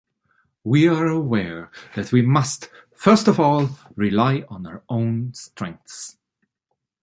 We are aware that we must, first of all, rely on our own strengths.